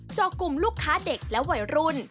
จอกลุ่มลูกค้าเด็กและวัยรุ่น